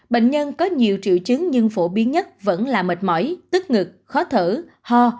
bệnh nhân có nhiều triệu chứng nhưng phổ biến nhất vẫn là mệt mỏi tức ngực khó thở ho